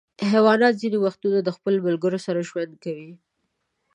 حیوانات ځینې وختونه د خپلو ملګرو سره ژوند کوي.